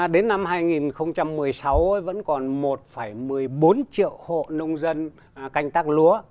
đến năm hai nghìn một mươi sáu vẫn còn một một mươi bốn triệu hộ nông dân canh tác lúa